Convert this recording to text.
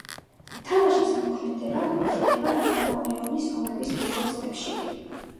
თამაშის მოქმედება ხდება ნაპოლეონის ომების ბოლო წლებში.